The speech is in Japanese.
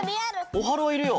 オハローいるよ。